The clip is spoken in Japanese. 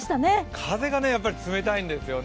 風が冷たいんですよね。